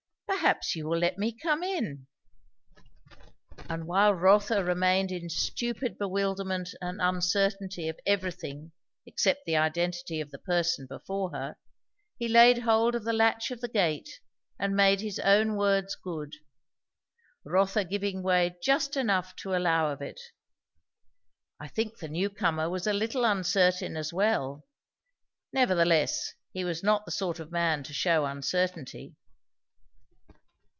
"Perhaps you will let me come in." And while Rotha remained in stupid bewilderment and uncertainty of everything except the identity of the person before her, he laid hold of the latch of the gate and made his own words good; Rotha giving way just enough to allow of it. I think the new comer was a little uncertain as well; nevertheless he was not the sort of man to shew uncertainty.